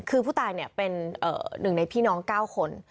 คือผู้ตายเนี่ยเป็นหนึ่งในพี่น้องเก้าคน